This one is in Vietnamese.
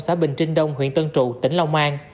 xã bình trinh đông huyện tân trụ tỉnh long an